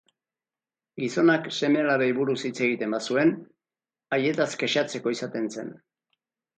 Gizonak seme-alabei buruz hitz egiten bazuen, haietaz kexatzeko izaten zen.